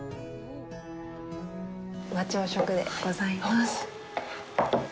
和朝食でございます。